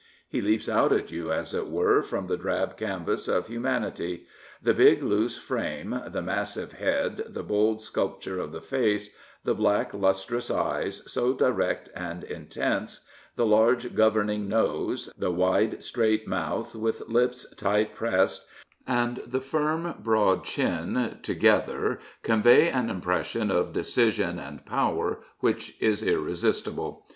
He leaps out at you, as it were, from the drab canvas of humanity. The big, loose frame, the massive head, the bold sculpture of the face, the black, lustrous eyes, so direct and intense, the large governing nose, the wide, straight mouth, with lips tight pressed, and the firm, broad chin together convey an impression of decision and power which is irresistible.